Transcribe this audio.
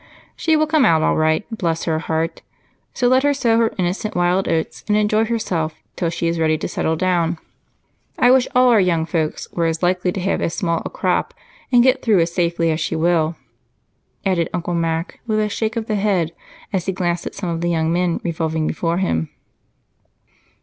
"She will come out all right bless her heart! so let her sow her innocent wild oats and enjoy herself till she is ready to settle down. I wish all our young folks were likely to have as small a crop and get through as safely as she will," added Uncle Mac with a shake of the head as he glanced at some of the young men revolving before him.